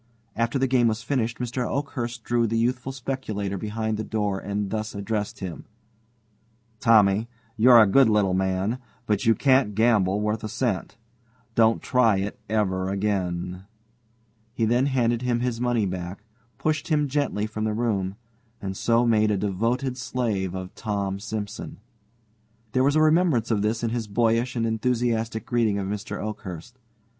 After the game was finished, Mr. Oakhurst drew the youthful speculator behind the door and thus addressed him: "Tommy, you're a good little man, but you can't gamble worth a cent. Don't try it over again." He then handed him his money back, pushed him gently from the room, and so made a devoted slave of Tom Simson. There was a remembrance of this in his boyish and enthusiastic greeting of Mr. Oakhurst.